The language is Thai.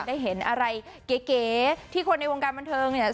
ได้เห็นอะไรเก๋ที่คนในวงการบันเทิงเนี่ย